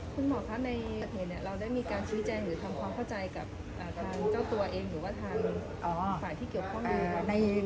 คุณหมอคะในเพจเราได้มีการชี้แจงหรือทำความเข้าใจกับทางเจ้าตัวเองหรือว่าทางฝ่ายที่เกี่ยวข้อง